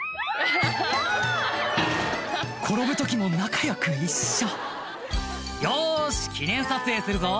転ぶ時も仲良く一緒「よし記念撮影するぞ」